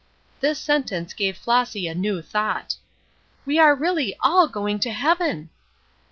This sentence gave Flossy a new thought: "We are really all going to heaven!"